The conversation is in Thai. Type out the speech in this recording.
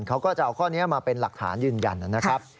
เขาก็จะเอาข้อนี้มาเป็นหลักฐานยืนยันนะครับ